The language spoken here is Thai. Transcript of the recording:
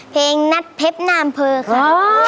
เพลงนัดเผ็บนามเพลอค่ะ